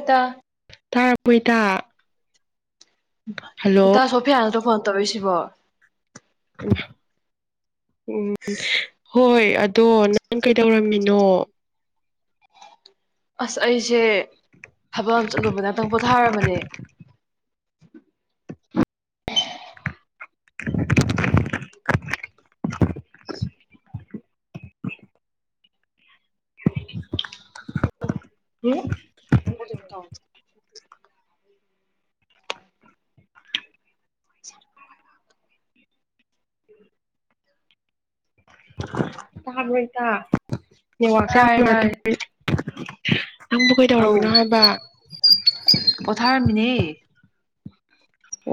ꯏꯇꯥ ꯊꯥ ꯍꯣꯏꯇꯥ ꯏ ꯇ ꯁꯣꯄꯤꯤꯌꯥꯅꯗ ꯐꯣꯟ ꯇꯔꯁꯤꯕꯣ [unintelligible] ꯎꯝ ꯍꯣꯏ ꯑꯗꯣ ꯅꯪ ꯀꯩꯗꯧꯔꯝꯃꯤꯅꯣ ꯑꯁ ꯑꯩꯁꯦ ꯊꯕꯛ ꯑꯃ ꯆꯠꯂꯨꯕ ꯉꯇꯪ ꯄꯣꯊꯥꯔꯝꯕꯅꯦ [unintelligible] [inaudible] ꯎꯝ ꯗꯤ ꯊ [unintelligible] [unintelligible] ꯎ ꯇꯥ ꯑꯣꯏꯣꯏꯇ ꯋꯥꯁ ꯇꯥꯔꯦ ꯌꯥꯝ ꯇꯥꯔꯦ ꯅꯪꯕꯨ ꯑꯧ ꯀꯩꯗꯧꯔꯝꯃꯤꯅꯣ ꯍꯥꯏꯕ ꯄ‌ꯣꯊꯥꯔꯝꯃꯤꯅꯦ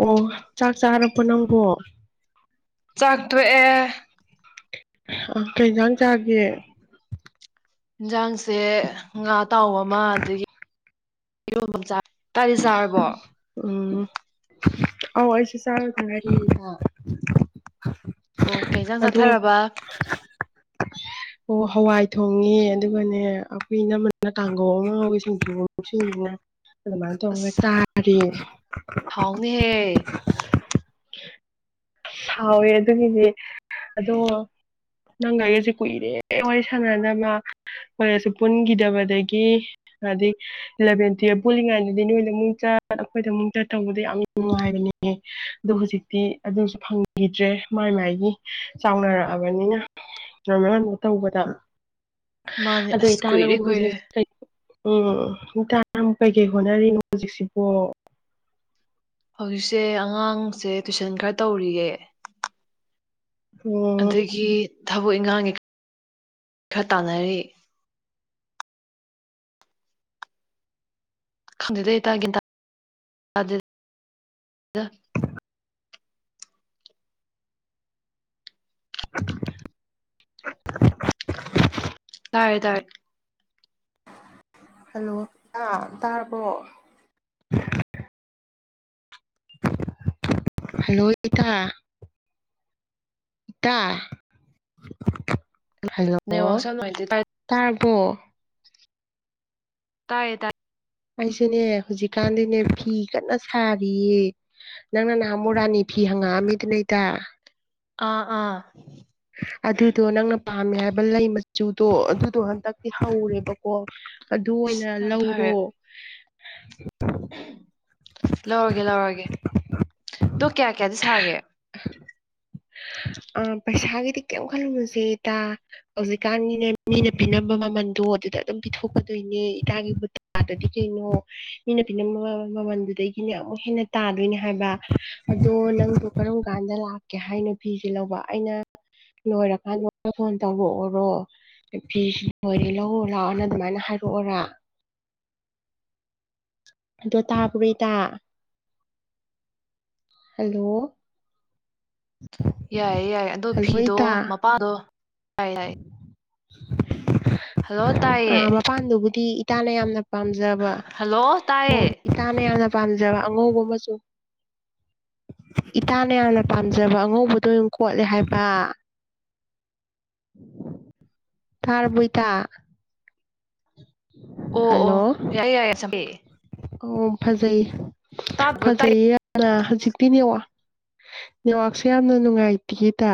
ꯑꯣ ꯆꯥꯛ ꯆꯥꯔꯕ‌ꯣ ꯅꯪꯕ‌ꯣ ꯆꯥꯛꯇ‌ꯣꯛꯑꯦ ꯑ ꯀꯩꯖꯥꯡ ꯆꯥꯒꯦ ꯌꯦꯟꯖꯥꯡꯁꯦ ꯉꯥ ꯑꯇꯥꯎꯕ ꯑꯃ ꯑꯗꯒꯤ ꯏꯔꯣꯟꯕꯝ ꯆꯥꯏ ꯎꯝ ꯑꯧ ꯑꯩꯁꯨ ꯆꯔ [unintelligible] ꯑꯣ ꯀꯩꯖꯥꯡ ꯆꯥꯊꯔꯕ ꯑꯣ ꯍꯧꯋꯥꯏ ꯊꯣꯡꯉꯦ ꯑꯗꯨꯒꯅꯦ ꯑꯩꯈꯣꯏ ꯏꯅꯃꯅ ꯀꯥꯡꯒꯧ ꯑꯃꯥꯉꯧꯏ ꯁꯤꯡꯖꯨ ꯑꯃ ꯁꯤꯡꯖꯨ ꯑꯃ ꯑꯗꯨꯃꯥꯟ ꯊ‌ꯣꯡꯉꯥ ꯑꯁ ꯆꯥꯔ‌ꯦ ꯍꯥꯎꯅꯤꯍꯦ ꯍꯥꯎꯋꯦ ꯑꯗꯨꯒꯤꯗꯤ ꯑꯗꯣ ꯅꯪꯒ‌ꯑꯩꯒꯖ‌ꯦ ꯀꯨꯏꯔꯦ ꯋꯥꯔꯤ ꯁꯥꯟꯅꯅꯕ ꯀꯣꯂ‌ꯦꯁꯨ ꯄꯨꯟꯒꯤꯗꯕꯗꯒꯤ ꯑꯩꯗꯤ ꯏꯂ‌ꯦꯚꯦꯟ ꯇꯨꯌꯦꯜꯞ ꯄꯨꯜꯂꯤꯉꯩꯗꯗꯤ ꯅꯣꯏꯗ ꯑꯃꯨꯛ ꯆꯥ ꯑꯩꯈꯣꯏꯗ ꯑꯃꯨꯛ ꯆꯠꯇꯧꯕꯗ ꯌꯥꯝ ꯅꯨꯡꯉꯥꯏꯕꯅꯤꯌꯦ ꯑꯗꯣ ꯍꯧꯖꯤꯛꯇꯤ ꯑꯗꯨꯁ ꯐꯪꯒꯤꯗ꯭ꯔꯦ ꯃꯥꯏ ꯃꯥꯏꯒꯤ ꯆꯥꯎꯅꯔꯛꯑꯕꯅꯤꯅ [unintelligible] ꯇꯧꯕꯗ ꯃꯥꯅꯦ ꯑꯗꯨ ꯑꯁ ꯏꯇꯥ ꯀꯨꯏꯔꯦ ꯅꯪꯕꯨ ꯀꯨꯏꯔꯦ ꯍꯧꯖꯤꯛ ꯎꯝ ꯏꯇꯥ ꯅꯪꯕꯨ ꯀꯩꯀꯩ ꯍꯣꯠꯅꯔꯤꯅꯣ ꯍꯧꯖꯤꯛꯁꯤꯕꯣ ꯍꯧꯖꯤꯛꯁꯦ ꯑꯉꯥꯡꯁꯦ ꯇꯨꯏꯁꯟ ꯈꯔ ꯇꯧꯔꯤꯌꯦ ꯎꯝ ꯑꯗꯒꯤ ꯊꯕꯛ ꯏꯪꯈꯥꯡꯒꯤ ꯈꯔ ꯇꯥꯟꯅꯔꯤ ꯈꯪꯗ‌ꯦꯗ ꯏꯇꯥ ꯒꯌꯥꯟ ꯇꯥꯗ‌ꯦꯗ ꯇꯥꯔ‌ꯦ ꯇꯥꯔ‌ꯦ ꯍꯜꯂꯣ ꯏꯇꯥ ꯇꯥꯔꯕꯣ ꯍꯂꯣ ꯏꯇꯥ ꯏꯇꯥ ꯍꯜꯂꯣ ꯅꯦꯠꯋꯥꯛꯁꯦ ꯌꯥꯝ ꯇꯥꯔꯕꯣ ꯇꯥꯏꯔ‌ꯦ ꯇꯥꯏꯔ‌ꯦ ꯑꯩꯁꯨꯅꯦ ꯍꯧꯖꯤꯛꯀꯥꯟꯗꯤꯅꯦ ꯐꯤ ꯀꯟꯅ ꯁꯥꯔꯤꯌꯦ ꯅꯪꯅ ꯅꯍꯥꯟꯃꯣꯛ ꯔꯥꯅꯤ ꯐꯤ ꯍꯪꯉꯛꯑꯝꯃꯤꯗꯅ ꯏꯇꯥ ꯑꯥ ꯑꯥ ꯑꯗꯨꯗꯣ ꯅꯪꯅ ꯄꯥꯝꯃꯦ ꯂꯩ ꯃꯆꯨꯗꯣ ꯑꯗꯨꯗꯣ ꯍꯟꯗꯛꯇꯤ ꯍꯧꯔꯦꯕꯀꯣ ꯑꯗꯨ ꯏꯁ ꯑꯣꯏꯅ ꯌꯥꯝ ꯐꯔꯦ ꯂꯧꯔꯣ [unintelligible] ꯂꯧꯔꯒꯦ ꯂꯧꯔꯒꯦ ꯑꯗꯣ ꯀꯌꯥ ꯀꯌꯥꯗꯤ ꯁꯥꯒꯦ ꯑ ꯄꯩꯁꯥꯒꯤꯗꯤ ꯀꯔꯤꯝ ꯈꯜꯂꯨꯔꯨꯁꯦ ꯏꯇꯥ ꯍꯧꯖꯤꯛꯀꯥꯟꯒꯤꯅꯦ ꯃꯤꯅ ꯄꯤꯝꯕ ꯃꯃꯜꯗꯣ ꯑꯗꯨꯗ ꯑꯗꯨꯝ ꯄꯤꯊꯣꯛꯀꯗꯣꯏꯅꯦ ꯏꯇꯥꯒꯤ ꯕꯨꯇꯥꯗꯗꯤ ꯀꯩꯅꯣ ꯃꯤꯅ ꯄꯤꯝꯕ ꯃꯃꯜꯗꯨꯗꯒꯤꯅꯦ ꯑꯃꯨꯛ ꯍꯦꯟꯅ ꯇꯥꯗꯣꯏꯅꯦ ꯍꯥꯏꯕ ꯑꯗꯣ ꯅꯪꯗꯣ ꯀꯔꯝ ꯀꯥꯟꯗ ꯂꯥꯛꯀꯦ ꯍꯥꯏꯅꯣ ꯐꯤꯁꯦ ꯂꯧꯕ ꯑꯩꯅ ꯂꯣꯏꯔꯀꯥꯟꯗ ꯐꯣꯟ ꯇꯧꯔꯛꯑꯣꯔꯣ ꯐꯤꯁ ꯂꯣꯏꯔꯦ ꯂꯧꯔ‌ꯣ ꯂꯥꯛꯑꯣꯅ ꯑꯗꯨꯃꯥꯏꯅ ꯍꯥꯏꯔꯛꯑꯣꯔ ꯑꯗꯣ ꯇꯥꯕ꯭ꯔ‌ꯣ ꯏꯇꯥ ꯍꯜꯂꯣ ꯌꯥꯏꯌꯦ ꯌꯥꯏ ꯑꯗꯣ ꯐꯤꯗꯣ ꯃꯄꯥꯥꯗꯣ ꯎꯝ [unintelligible] ꯍꯜꯂꯣ ꯑ ꯇꯥꯏꯌꯦ ꯃꯄꯥꯟꯗꯨꯕꯨꯗꯤ ꯏꯇꯥꯅ ꯌꯥꯝꯅ ꯄꯥꯝꯖꯕ ꯍꯜꯂꯣ ꯍꯣ ꯇꯥꯏꯌꯦ ꯏꯇꯥ ꯅ ꯌꯥꯝꯅ ꯄꯥꯝꯖꯕ ꯑꯉꯧꯕ ꯃꯆꯨ ꯏꯇꯥꯅ ꯌꯥꯝꯅ ꯄꯥꯝꯖꯕ ꯑꯉꯧꯕꯗꯣ ꯑꯗꯨꯝ ꯈꯣꯠꯂꯦ ꯍꯥꯏꯕ ꯇꯥꯔꯕꯣ ꯏꯇꯥ ꯑꯣ ꯑꯣ ꯍꯜꯂꯣ ꯌꯥꯏꯌꯦ ꯌꯥꯏꯌꯦ ꯆ ꯑꯣ ꯐꯖꯩ ꯇꯥꯏ ꯐꯖꯩꯌꯦ ꯌꯥꯝꯅ ꯍꯧꯖꯤꯛꯇꯤ ꯅꯦꯇꯋꯥꯔꯛ ꯅꯦꯠꯋꯥꯛꯁꯦ ꯌꯥꯝꯅ ꯅꯨꯡꯉꯥꯏꯇꯤꯌꯦ ꯏꯇꯥ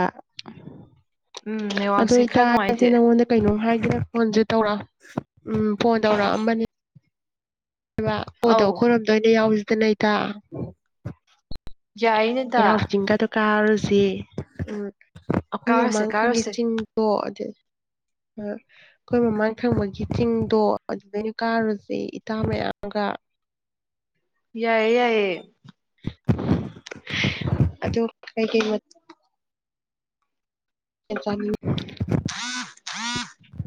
ꯎꯝ ꯑꯗꯨ ꯅꯦꯠꯋꯥꯛꯁꯦ ꯈꯔ ꯏꯇꯥꯔꯁꯦ ꯅꯨꯡꯉꯥꯏꯇꯦ ꯅꯉꯣꯟꯗ ꯀꯩꯅꯣꯝ ꯍꯥꯏ ꯁꯤꯔ ꯐꯣꯟꯁꯦ ꯇꯧꯔ ꯎꯝ ꯐꯣꯟ ꯇꯧꯔꯛꯑꯝꯕꯅꯤ ꯕ ꯄꯣꯠꯇꯣ ꯑꯧ ꯑꯩꯈꯣꯏꯔꯣꯝꯗ ꯑ ꯑꯣꯏꯅ ꯌꯥꯎꯁꯤꯗꯅ ꯏꯇꯥ ꯑꯣ [unintelligible] ꯌꯥꯏꯅꯦꯗ ꯆꯩꯔꯥꯑꯣ ꯆꯤꯡꯒꯗꯨ ꯀꯥꯔꯨ ꯁꯤ ꯎꯝ ꯑꯩꯈꯣꯏ ꯀꯥꯔꯨꯁꯦ ꯃꯃꯥꯡꯊꯪꯒꯤ ꯀꯥꯔꯨꯁꯦ ꯆꯤꯡꯗꯣ ꯑꯗꯨ ꯑꯩꯈꯣꯏ ꯃꯃꯥꯡ ꯊꯪꯕꯒꯤ ꯆꯤꯡꯗꯣ ꯑꯗꯨꯗꯩꯅ ꯀꯥꯔꯨꯁꯦ ꯏꯇꯥ ꯃꯌꯥꯝ ꯃꯒ ꯌꯥꯏꯌꯦ ꯌꯥꯏꯌꯦ ꯑꯗꯣ ꯀꯩ ꯀꯩ ꯆ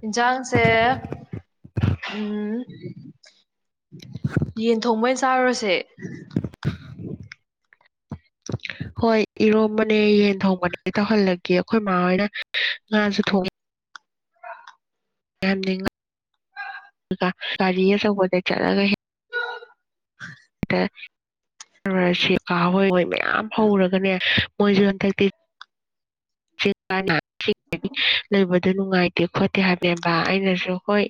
ꯏꯖꯥꯡꯁꯦ ꯎꯝ ꯌꯦꯟ ꯊꯣꯡꯕ ꯆꯥꯔꯨꯔꯁꯦ [unintelligible] ꯍꯣꯏ ꯏꯔꯣꯝꯕꯅꯦ ꯌꯦꯟ ꯊꯣꯡꯕꯅꯦ ꯇꯧꯍꯜꯂꯒꯦ ꯑꯩꯈꯣꯏ ꯏꯃꯥꯍꯣꯏꯅ ꯉꯥꯁꯨ ꯊꯣꯡ ꯟꯗꯒ ꯒꯥꯔꯤ ꯑꯆꯧꯕꯗ ꯆꯠꯂꯒ ꯍꯦꯛ ꯑ ꯃꯔ ꯁꯤꯀꯥ ꯌꯥꯝ ꯍꯧꯔꯒꯅꯦ ꯃꯣꯏꯁꯨ ꯍꯟꯗꯛꯇꯤ ꯂꯩꯕꯗꯨ ꯅꯨꯡꯉꯥꯏꯇꯦ ꯈꯣꯠꯇꯦ ꯍꯥꯏꯕꯅꯦꯕ ꯑꯩꯅꯁꯨ ꯍꯣꯏ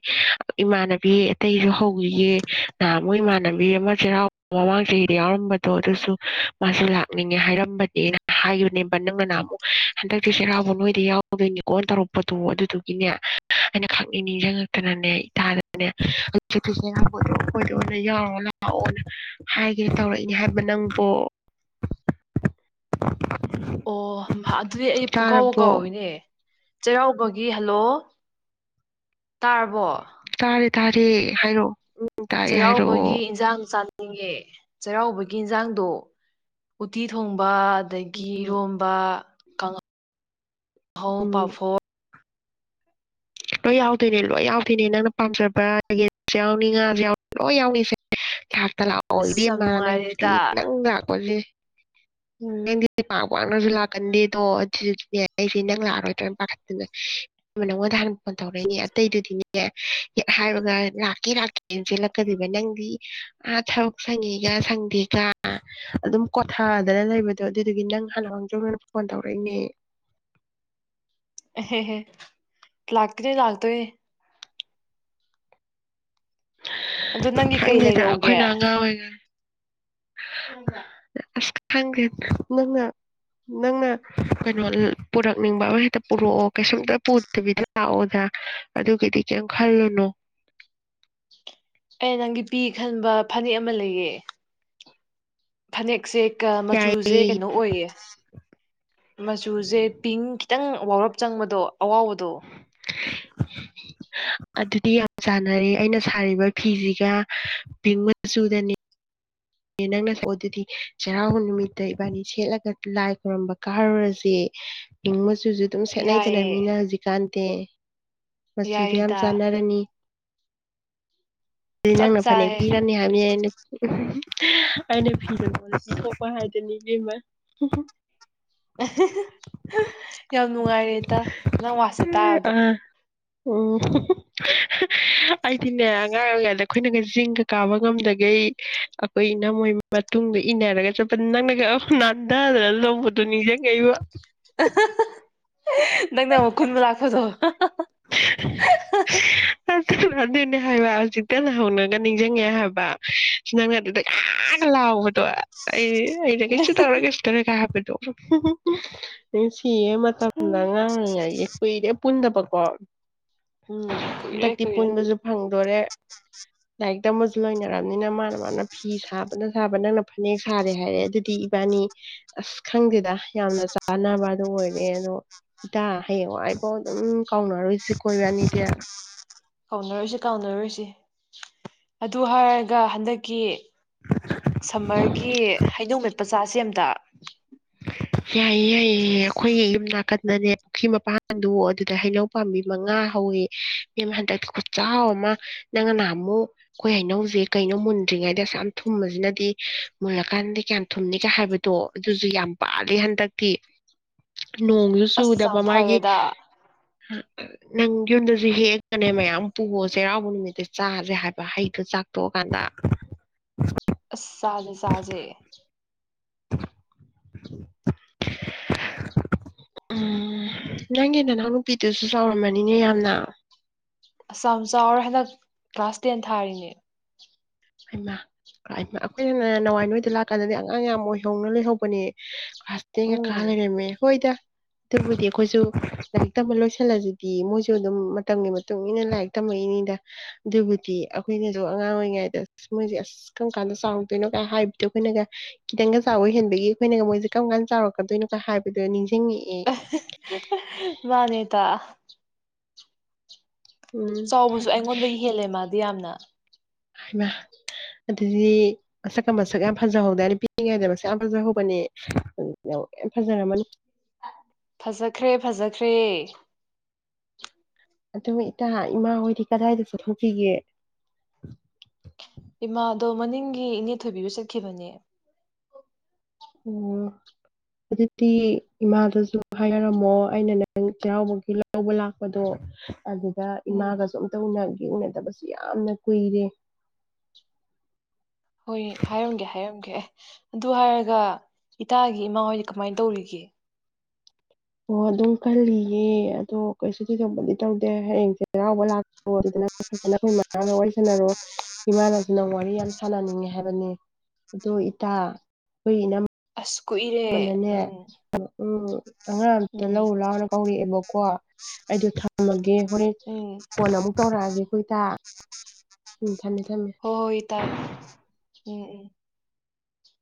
ꯏꯃꯥꯟꯅꯕꯤ ꯑꯇꯩꯁꯨ ꯍꯧꯈꯤꯒꯦ ꯅꯍꯥꯟ ꯃꯣꯏ ꯏꯃꯥꯟꯅꯕꯤ ꯑꯃ ꯆꯩꯔꯥꯎ ꯃꯃꯥꯡ ꯆꯍꯤꯗ ꯌꯥꯎꯔꯝꯕꯗꯣ ꯑꯗꯨꯁꯨ ꯃꯥꯁꯨ ꯂꯥꯛꯅꯤꯡꯉꯦ ꯍꯥꯏꯔꯝꯕꯅꯦꯅ ꯍꯥꯏꯈꯤꯕꯅꯦꯕ ꯅꯪꯅ ꯉꯍꯟꯃꯨꯛ ꯍꯟꯗꯛꯊꯤ ꯆꯩꯔꯥꯎꯕ ꯅꯣꯏꯗ ꯌꯥꯎꯔꯗꯣꯏꯅꯤꯀꯣ ꯇꯧꯔꯛꯄꯗꯣ ꯑꯗꯨꯗꯨꯒꯤꯅꯦ ꯑꯩꯅ ꯈꯛꯅꯤꯡ ꯅꯤꯡꯁꯤꯡꯉꯛꯇꯅꯅꯦ ꯏꯇꯥꯗꯅꯦ ꯍꯧ ꯆꯩꯔꯥꯎꯕꯗꯣꯏꯗ ꯑꯣꯏꯅ ꯌꯥꯎꯔꯑꯣ ꯂꯥꯛꯑꯣꯅ ꯍꯥꯏꯒꯦ ꯇꯧꯔꯛꯏꯅꯦ ꯍꯥꯏꯕ ꯅꯪꯕꯣ ꯑꯣ ꯑꯗꯨꯗꯤ ꯑꯩ ꯄꯨꯡꯀꯥꯎꯕ ꯇꯥꯔꯕꯣ ꯀꯥꯎꯋꯤꯅꯦ ꯆꯩꯔꯥꯎꯕꯒꯤ ꯍꯜꯂꯣ ꯇꯥꯔꯕꯣ ꯇꯥꯔꯦ ꯇꯥꯔꯦ ꯍꯥꯏꯔꯛ ꯆꯩꯔꯥꯎꯕꯒꯤ ꯏꯟꯖꯥꯡ ꯆꯥ ꯅꯤꯡꯉꯦ ꯆꯩꯔꯥꯎꯕꯒꯤ ꯏꯟꯁꯥꯡꯗꯣ ꯎꯇꯤ ꯊꯣꯡꯕ ꯑꯗꯒꯤ ꯎꯝ ꯏꯔꯣꯝꯕ ꯀꯪꯍꯧ ꯍꯧ ꯎꯝ ꯄꯥꯐꯣꯔ ꯂꯣꯏ ꯌꯥꯎꯗꯣꯏꯅꯦ ꯂꯣꯏ ꯌꯥꯎꯗꯣꯏꯅꯦ ꯅꯪꯅ ꯄꯥꯝꯖꯕ ꯌꯦꯟꯁꯨ ꯌꯥꯎꯅꯤ ꯉꯥꯁꯨ ꯌꯥꯎꯅꯤ ꯂꯣꯏ ꯌꯥꯎꯅꯤꯁꯦ ꯂꯥꯛꯇꯥ ꯂꯥꯎꯑꯣ ꯑꯁ ꯌꯥꯝ ꯏꯕꯦꯝꯃ ꯅꯪꯁꯤꯗꯤ ꯅꯨꯡꯉꯥꯏꯔꯦꯗ ꯅꯪ ꯂꯥꯛꯄꯁꯦ ꯎꯝ ꯅꯪꯗꯤ ꯄꯥꯛ ꯄꯥꯛꯅꯁꯨ ꯂꯥꯛꯀꯟꯗꯦ ꯑꯗꯣ ꯑꯩꯁꯦ ꯅꯪ ꯂꯥꯛꯑꯔꯣꯏꯗ꯭ꯔꯣꯏꯅ ꯄꯥꯈꯠꯇ ꯅꯉꯣꯟꯗ ꯍꯥꯟ ꯐꯣꯟ ꯇꯧꯔꯛꯏꯅꯦ ꯑꯇꯩꯗꯨꯗꯤꯅꯦ ꯍꯦꯛ ꯍꯥꯏꯕꯒ ꯂꯥꯛꯀꯦ ꯂꯥꯛꯀꯦꯅ ꯆꯦꯜꯂꯛꯀꯗꯣꯏꯕ ꯅꯪꯗꯤ ꯑꯥ ꯊꯕꯛ ꯁꯪꯉꯤꯒ ꯁꯪꯗꯦꯒ ꯑꯗꯨꯝ ꯀꯣꯊꯗꯅ ꯂꯩꯕꯗꯣ ꯑꯗꯨꯗꯨꯒꯤ ꯅꯪ ꯍꯥꯟꯅ ꯃꯥꯡꯖꯧꯅꯅ ꯐꯣꯟ ꯇꯧꯔꯛꯏꯅꯦ ꯍꯦ ꯍꯦ ꯂꯥꯛꯇꯣꯏꯅꯦ ꯂꯥꯛꯇꯣꯏꯅꯦ ꯑꯗꯣ ꯅꯪꯒꯤ ꯀꯩ ꯈꯪꯉꯦꯗ ꯂꯩꯔꯛꯎꯒꯦ ꯑꯩꯈꯣꯏꯅ ꯑꯉꯥꯡ ꯑꯣꯏꯔꯤꯉꯥꯏ ꯑꯁ ꯈꯪꯗꯦ ꯅꯪꯅ ꯅꯪꯅ ꯀꯩꯅꯣ ꯄꯨꯔꯛꯅꯤꯡꯕ ꯑꯃ ꯍꯦꯛꯇ ꯄꯨꯔꯛꯑꯣ ꯀꯩꯁꯨꯝꯇ ꯄꯨꯗꯕꯤꯗ ꯂꯥꯛꯑꯣꯗ ꯑꯗꯨꯒꯤꯗꯤ ꯀꯔꯤꯝ ꯈꯜꯂꯨꯅꯣ ꯑꯦ ꯅꯪꯒꯤ ꯄꯤ ꯈꯟꯕ ꯐꯅꯦꯛ ꯑꯃ ꯂꯩꯌꯦ ꯐꯅꯦꯛꯁꯦ ꯌꯥꯏ ꯃꯆꯨꯁꯦ ꯀꯩꯅꯣ ꯑꯣꯏꯌꯦ ꯃꯆꯨꯁꯦ ꯄꯤꯡ ꯈꯤꯇꯪ ꯋꯥꯎꯔꯞ ꯆꯪꯕꯗꯣ ꯑꯋꯥꯎꯕꯗꯣ ꯑꯗꯨꯗꯤ ꯌꯥꯝ ꯆꯥꯟꯅꯔꯦ ꯑꯩꯅ ꯁꯥꯔꯤꯕ ꯐꯤꯁꯤꯒ ꯄꯤꯡ ꯃꯆꯨꯗꯅꯤ ꯅꯪꯅꯁꯨ ꯑꯗꯨꯗꯤ ꯆꯩꯔꯥꯎꯕ ꯅꯨꯃꯤꯠꯇ ꯏꯕꯥꯅꯤ ꯁꯦꯠꯂꯒ ꯂꯥꯏ ꯈꯣꯏꯔꯝꯕ ꯀꯥꯔꯨꯔꯁꯦ ꯁꯨꯁꯨꯨ ꯑꯗꯨꯝ ꯁꯦꯠꯅꯩꯗꯅ ꯌꯥꯏꯌꯦ ꯃꯤꯅ ꯍꯧꯖꯤꯛꯀꯥꯟ ꯇꯦ ꯃꯆꯨꯗꯗꯣ ꯌꯥꯝ ꯌꯥꯏꯌꯦꯗ ꯆꯥꯟꯅꯔꯅꯤ ꯑꯗꯨꯗꯤ ꯆꯞ ꯅꯪꯅ ꯐꯅꯦꯛ ꯆꯥꯔꯦ ꯄꯤꯔꯅꯤ ꯍꯥꯏꯕꯅꯤꯅ ꯑꯩꯅ ꯐꯤꯖꯕꯣ ꯄꯤꯊꯣꯛꯄ ꯍꯥꯏꯗꯨꯅꯤ ꯏꯕꯦꯝꯃ ꯌꯥꯝ ꯅꯨꯡꯉꯥꯏꯔꯦꯗ ꯅꯪ ꯋꯥꯁꯦ ꯇꯥꯕꯗ ꯑꯥ ꯎꯝ ꯑꯩꯗꯤꯅꯦ ꯑꯉꯥꯡ ꯑꯣꯏꯔꯤꯉꯩꯗ ꯑꯩꯈꯣꯏꯅꯒ ꯆꯤꯡꯒ ꯀꯥꯕ ꯉꯝꯗꯒꯩ ꯑ ꯏꯅꯝꯃꯣꯏ ꯃꯇꯨꯡꯗ ꯏꯟꯅꯔꯒ ꯆꯠꯄꯅꯤ ꯅꯪꯅ ꯅꯥꯟꯊꯗꯅ ꯂꯣꯡꯕꯗꯣ ꯅꯤꯡꯁꯤꯡꯉꯩꯕ [unintelligible] ꯅꯪꯅ ꯑꯃꯨꯛ ꯈꯨꯟꯕ ꯂꯥꯛꯄꯗꯣ ꯔꯗꯅ ꯍꯥꯏꯕ ꯆꯤꯛꯇꯅ ꯍꯧꯅꯒ ꯅꯤꯡꯁꯤꯡꯉꯦ ꯍꯥꯏꯕ ꯁꯤ ꯅꯪꯅ ꯑꯗꯨꯗ ꯌꯥꯝ ꯂꯥꯎꯕꯗꯣ ꯑꯩ ꯑꯩꯅꯒ ꯀꯩꯁꯨ ꯇꯧꯔꯣꯏ ꯀꯩꯁꯨ ꯇꯧꯔꯣꯏ ꯒ ꯍꯥꯏꯕꯗꯣ [unintelligible] ꯁꯤꯌꯦ ꯃꯇꯝ ꯂꯉꯥꯡꯉ ꯀꯨꯏꯔꯦ ꯄꯨꯟꯗꯕꯀꯣ ꯎꯝ ꯀꯨꯏꯔꯦ ꯍꯟꯗꯛꯇꯤ ꯀꯨꯏꯔꯦ ꯄꯨꯟꯕꯁꯨ ꯐꯪ ꯂꯣꯔꯦ ꯂꯥꯏꯔꯤꯛꯇꯝꯕꯁꯨ ꯂꯣꯏꯅꯔꯕꯅꯤꯅ ꯃꯥꯅ ꯃꯥꯅ ꯐꯤ ꯁꯥꯕꯅ ꯁꯥꯕ ꯅꯪꯅ ꯐꯅꯦꯛ ꯁꯥꯔꯦ ꯍꯥꯏꯔꯦ ꯑꯗꯨꯗꯤ ꯏꯕꯥꯅꯤ ꯑꯁ ꯈꯪꯗꯦꯗ ꯌꯥꯝꯅ ꯆꯥꯅꯕꯗ ꯑꯣꯏꯔꯦ ꯑꯗꯣ ꯏꯇꯥ ꯍꯌꯦꯡꯋꯥꯏꯐꯥꯎ ꯑꯗꯨꯝ ꯀꯥꯎꯅꯔꯣꯏ ꯦ ꯀꯣꯏ ꯅꯤꯗꯌꯥ ꯀꯥꯎꯅꯔꯣꯏꯁꯤ ꯀꯥꯎꯅꯔꯣꯏꯁꯤ ꯑꯗꯨ ꯍꯥꯏꯔꯒ ꯍꯟꯗꯛꯀꯤ ꯁꯝꯃꯔꯒꯤ ꯍꯩꯅꯧ ꯃꯦꯠ ꯄꯆꯥꯁꯤ ꯑꯝꯇ ꯌꯥꯏꯌꯦ ꯌꯥꯏꯌꯦ ꯑꯩꯈꯣꯏꯒꯤ ꯌꯨꯝ ꯅꯥꯀꯟꯗꯅꯦ ꯄꯨꯈ꯭ꯔꯤ ꯃꯄꯥꯜꯗꯣ ꯑꯗꯨꯗ ꯍꯩꯅꯧ ꯄꯥꯝꯕꯤ ꯃꯉꯥ ꯍꯧꯋꯦ ꯏꯕꯦꯝꯃ ꯍꯟꯗꯛꯇ ꯈꯨꯆꯥꯎ ꯑꯃ ꯅꯪꯅ ꯑꯃꯨꯛ ꯑꯩꯈꯣꯏ ꯍꯩꯅꯧꯁꯦꯀꯩꯅꯣ ꯃꯨꯟꯗ꯭ꯔꯤꯉꯩꯗ ꯑꯁ ꯌꯥꯝ ꯊꯨꯝꯕꯁꯤꯅꯗꯤ ꯃꯨꯜꯂꯀꯥꯟꯗ ꯀꯌꯥꯝ ꯊꯨꯝꯅꯤꯒꯦ ꯍꯥꯏꯕꯗꯣ ꯑꯗꯨꯁꯨ ꯌꯥꯝ ꯄꯥꯜꯂꯦ ꯍꯟꯗꯛꯇꯤ ꯅꯣꯡꯁꯨ ꯑꯁ ꯆꯨꯗꯕ ꯌꯥꯝ ꯃꯥꯒꯤ ꯐꯔꯦꯗ ꯅꯪ ꯌꯨꯝꯗꯁꯨ ꯍꯦꯛꯀꯅꯦ ꯃꯌꯥꯝ ꯄꯨꯒꯣ ꯆꯩꯔꯥꯎꯕ ꯅꯨꯃꯤꯠꯇ ꯆꯥꯁꯦ ꯍꯥꯏꯕ ꯍꯩꯗꯣ ꯆꯥꯛꯇꯣꯛꯑꯀꯥꯟꯗ ꯑꯁ ꯆꯥꯖꯦ ꯆꯥꯖꯦ ꯆꯥ ꯎꯝ ꯅꯪꯒꯤ ꯅꯅꯥꯎꯅꯨꯄꯤꯗꯨꯁꯨ ꯆꯥꯎꯔꯝꯃꯅꯤꯅꯦ ꯌꯥꯝꯅ ꯑꯁ ꯌꯥꯝ ꯆꯥꯎꯔꯦ ꯍꯟꯗꯛ ꯀ꯭ꯂꯥꯁ ꯇꯦꯟ ꯊꯥꯔꯤꯅꯦ ꯍꯩ ꯃꯥ ꯑꯩꯈꯣꯏꯅ ꯅꯥꯟꯋꯥꯏ ꯅꯣꯏꯗ ꯂꯥꯛꯀꯥꯟꯗꯗꯤ ꯑꯉꯥꯡ ꯌꯥꯝ ꯑꯣꯏꯍꯧꯅ ꯂꯩꯍꯧꯕꯅꯦ ꯀꯂ꯭ꯥꯁ ꯇꯦꯟ ꯒ ꯀꯥꯔ ꯎꯝ ꯂꯩꯔꯝꯃꯦ ꯍꯣꯏꯗ ꯑꯗꯨꯕꯨꯗꯤ ꯑꯩꯈꯣꯏꯁꯨ ꯂꯥꯏꯔꯤꯛ ꯇꯝꯕ ꯂꯣꯏꯁꯤꯜꯂꯁꯤꯗꯤ ꯃꯣꯏꯁꯨ ꯑꯗꯨꯝ ꯃꯇꯝꯒꯤ ꯃꯇꯨꯡ ꯏꯟꯅ ꯂꯥꯏꯔꯤꯛ ꯇꯝꯃꯛꯏꯅꯤꯗ ꯑꯗꯨꯕꯨꯗꯤ ꯑꯩꯈꯣꯏꯅꯁꯨ ꯑꯉꯥꯡ ꯑꯣꯏꯔꯤꯉꯩꯗ ꯑꯁ ꯃꯣꯏꯁꯦ ꯑꯁ ꯀꯔꯝ ꯀꯥꯟꯗ ꯆꯥꯎꯗꯣꯏꯅꯣꯒ ꯍꯥꯏꯕꯗꯣ ꯑꯩꯈꯣꯏꯅꯒ ꯈꯤꯇꯪꯒ ꯆꯥꯎꯕ ꯍꯦꯟꯕꯒꯤ ꯑꯩꯈꯣꯏꯅꯒ ꯃꯣꯏꯁꯦ ꯀꯔꯝ ꯀꯥꯟꯗ ꯆꯥꯎꯔꯛꯀꯗꯣꯏꯅꯣ ꯀ ꯍꯥꯏꯕꯗꯣ ꯅꯤꯡꯖꯤꯡ ꯃꯥꯅꯦ ꯏꯇꯥ [unintelligible] ꯎꯝ ꯆꯥꯎꯕꯁꯨ ꯑꯩꯉꯣꯟꯗꯩꯩ ꯍꯦꯜꯂꯦ ꯃꯥ ꯗꯤ ꯌꯥꯝꯅ ꯍꯥꯏꯃꯥ ꯑꯗꯨꯗꯤ ꯃꯁꯛꯀ ꯃꯁꯛ ꯌꯥꯝ ꯐꯖꯍꯧꯗꯥꯏꯅꯦ ꯄꯤꯛꯏꯉꯩꯗ ꯃꯁꯛ ꯌꯥꯝ ꯐꯖꯍꯧꯕꯅꯦ ꯌꯥꯝ ꯐꯖꯔꯝꯃꯅꯤ ꯐꯖꯈ꯭ꯔꯦ ꯐꯖꯈ꯭ꯔꯦ ꯑꯗꯨꯝ ꯏꯇꯥ ꯏꯃꯥ ꯍꯣꯏꯗꯤ ꯀꯗꯥꯏꯗ ꯆꯠꯊꯣꯛꯄꯤꯒꯦ ꯏꯃꯥꯗꯣ ꯃꯅꯤꯡꯒꯤ ꯏꯅꯦ ꯊꯣꯏꯕꯤꯗ ꯆꯠꯈꯤꯕꯅꯦ ꯑꯣ ꯑꯗꯨꯗꯤ ꯏꯃꯥꯗꯁꯨ ꯍꯥꯏꯔꯝꯃꯣ ꯑꯩꯅ ꯅꯪ ꯆꯩꯔꯥꯎꯕꯒꯤ ꯂꯧꯕ ꯂꯥꯛꯄꯗꯣ ꯑꯗꯨꯗ ꯎꯝ ꯏꯃꯥꯒꯁꯨ ꯑꯝꯇ ꯎꯅ ꯎꯅꯗꯕꯁꯨ ꯌꯥꯝꯅ ꯀꯨꯏꯔꯦ ꯍꯣꯏ ꯍꯥꯏꯔꯝꯒꯦ ꯍꯥꯏꯔꯝꯒꯦ ꯑꯗꯨ ꯍꯥꯏꯔꯒ ꯏꯇꯥꯒꯤ ꯏꯃꯥ ꯍꯣꯏ ꯀꯃꯥꯏꯅ ꯇꯧꯔꯤꯒꯦ ꯑꯣ ꯑꯗꯨꯝ ꯈꯜꯂꯤꯌꯦ ꯑꯗꯣ ꯀꯩꯁꯨ ꯊꯣꯏꯗꯣꯛꯄꯗꯤ ꯇꯧꯗꯦ ꯍꯌꯦꯡꯁꯦ ꯆꯩꯔꯥꯎꯕ ꯂꯥꯛ ꯑꯗꯨꯗꯅ ꯐꯖꯅ ꯑꯩꯈꯣꯏ ꯃꯃꯒ ꯋꯥꯔꯤꯁꯅꯔꯣ ꯏꯃꯥꯅꯁꯨꯅ ꯋꯥꯔꯤ ꯌꯥꯝ ꯁꯥꯟꯅꯅꯤꯡꯉꯦ ꯍꯥꯏꯕꯅꯦ ꯑꯣ ꯏꯇꯥ ꯑꯩꯈꯣꯏ ꯏꯅ ꯑꯁ ꯀꯨꯏꯔꯦ ꯅꯅꯦ ꯎꯝ ꯎꯝ ꯑꯉꯥꯡ ꯑꯝꯇ ꯎꯝ ꯂꯧꯔ ꯂꯥꯎꯅ ꯀꯧꯔꯛꯑꯦꯕꯀꯣ ꯑꯩꯗꯣ ꯊꯝꯃꯒꯦ ꯍꯣꯔꯦꯟ ꯎꯝ ꯀꯣꯟ ꯑꯃꯨꯛ ꯇꯧꯔꯛꯑꯒꯦ ꯑꯩꯈꯣꯏ ꯏꯇꯥ ꯎꯝ ꯊꯝꯃꯦ ꯊꯝꯃꯦ ꯍꯣ ꯍꯣꯏ ꯏꯇꯥꯏ ꯎꯝ ꯎꯝ